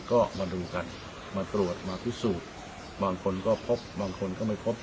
ก็มาดูกันมาตรวจมาพิสูจน์บางคนก็พบบางคนก็ไม่พบ